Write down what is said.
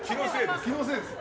気のせいです。